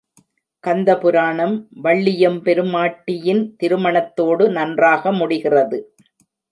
கந்தபுரணம் வள்ளியெம்பெருமாட்டியின் திருமணத்தோடு நன்றாக முடிகிறது.